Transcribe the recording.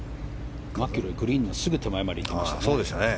マキロイはグリーンのすぐ手前までいってましたね。